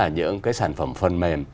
những cái sản phẩm phần mềm